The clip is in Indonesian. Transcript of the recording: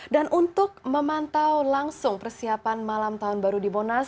dan untuk memantau langsung persiapan malam tahun baru di monas